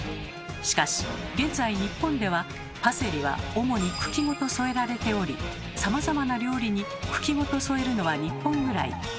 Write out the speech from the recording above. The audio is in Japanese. しかし現在日本ではパセリは主に茎ごと添えられておりさまざまな料理に茎ごと添えるのは日本ぐらい。